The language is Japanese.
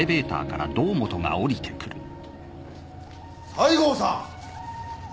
西郷さん！